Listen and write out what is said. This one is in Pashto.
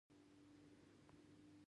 پاسپورټونو دخول وخوړه.